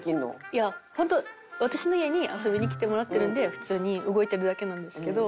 いや本当私の家に遊びにきてもらってるんで普通に動いてるだけなんですけど。